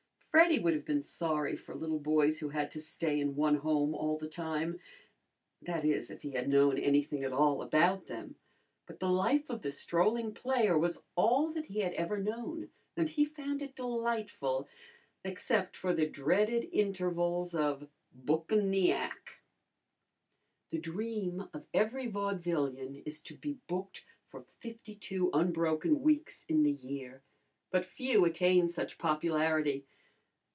Freddy would have been sorry for little boys who had to stay in one home all the time that is, if he had known anything at all about them. But the life of the strolling player was all that he had ever known, and he found it delightful, except for the dreaded intervals of "bookin' the ac'." The dream of every vaudevillian is to be booked for fifty two unbroken weeks in the year, but few attain such popularity.